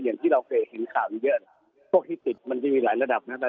อย่างที่เราเคยเห็นข่าวเยอะพวกที่ติดมันจะมีหลายระดับนะ